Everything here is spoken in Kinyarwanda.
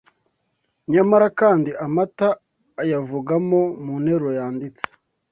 Nyamara kandi, amata ayavugamo mu nteruro yanditse